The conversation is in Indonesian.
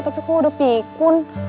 tapi kok udah pikun